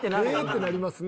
てなりますね。